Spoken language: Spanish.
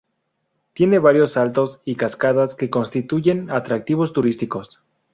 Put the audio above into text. Tiene varios saltos y cascadas que constituyen atractivos turísticos.